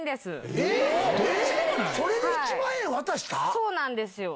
そうなんですよ。